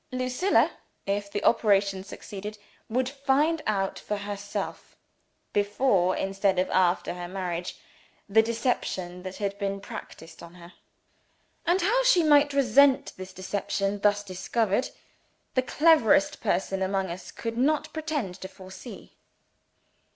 Lucilla, if the operation succeeded, would find out for herself before instead of after her marriage the deception that had been practiced on her. And how she might resent that deception, thus discovered, the cleverest person among us could not pretend to foresee.